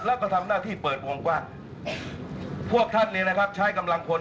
แล้วก็ทำหน้าที่เปิดวงกว้างพวกท่านเนี่ยนะครับใช้กำลังพล